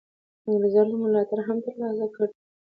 انګرېزانو ملاتړ هم تر لاسه کړي.